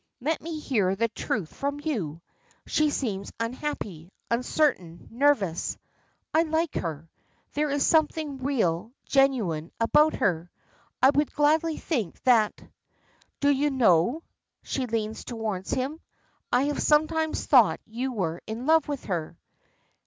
Let me hear the truth from you. She seems unhappy, uncertain, nervous. I like her. There is something real, genuine, about her. I would gladly think, that Do you know," she leans towards him, "I have sometimes thought you were in love with her."